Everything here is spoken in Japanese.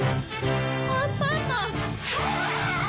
アンパンマン。